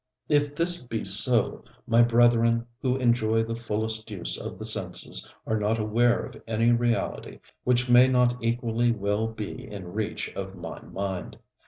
If this be so, my brethren who enjoy the fullest use of the senses are not aware of any reality which may not equally well be in reach of my mind.